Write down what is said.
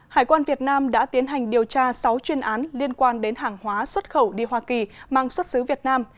hải quan việt nam đã tiến hành điều tra sáu chuyên án liên quan đến hàng hóa xuất khẩu đi hoa kỳ mang xuất xứ việt nam